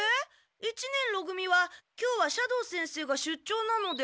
一年ろ組は今日は斜堂先生が出張なので。